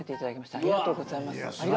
ありがとうございます。